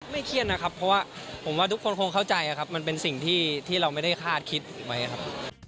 เครียดนะครับเพราะว่าผมว่าทุกคนคงเข้าใจครับมันเป็นสิ่งที่เราไม่ได้คาดคิดไว้ครับ